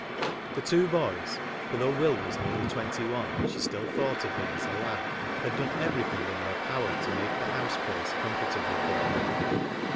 The two boys (for though Will was nearly twenty one, she still thought of him as a lad) had done everytliing in their power to make the house place comfortable for her.